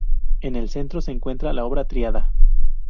En el centro se encuentra la obra "Tríada".